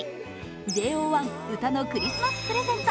ＪＯ１、歌のクリスマスプレゼント